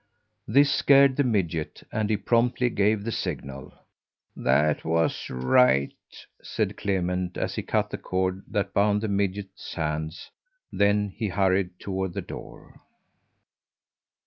This scared the midget, and he promptly gave the signal. "That was right," said Clement as he cut the cord that bound the midget's hands. Then he hurried toward the door.